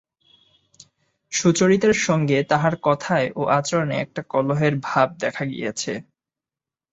সুচরিতার সঙ্গে তাঁহার কথায় ও আচরণে একটা কলহের ভাব দেখা দিয়াছে।